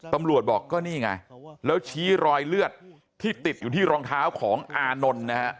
ตำรวจบอกก็นี่ไงแล้วชี้รอยเลือดที่ติดอยู่ที่รองเท้าของอานนท์นะฮะ